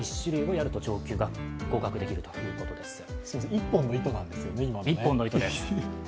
１本の糸なんですよね、今のね。